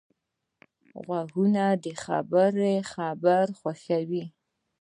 غوږونه د خیر خبره خوښوي